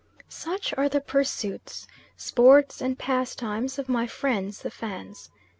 Such are the pursuits, sports and pastimes of my friends the Fans.